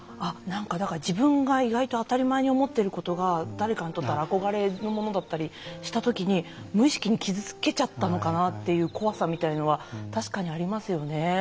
自分が意外と当たり前に思っていることが誰かにとって憧れのものだったりした時に無意識に傷つけちゃったのかなという怖さみたいなのは確かにありますよね。